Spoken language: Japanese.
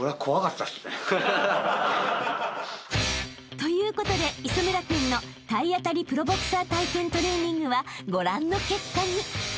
［ということで磯村君の体当たりプロボクサー体験トレーニングはご覧の結果に］